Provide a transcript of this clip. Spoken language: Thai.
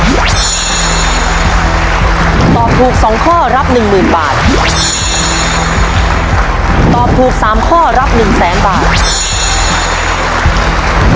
ตอบถูกสองข้อรับหนึ่งหมื่นบาทตอบถูกสามข้อรับหนึ่งแสนบาท